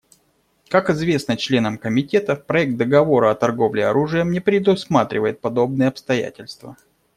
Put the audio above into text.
Как известно членам Комитета, проект договора о торговле оружием не предусматривает подобные обстоятельства.